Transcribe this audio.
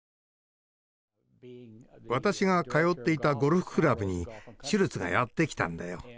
私が通っていたゴルフクラブにシュルツがやって来たんだよ。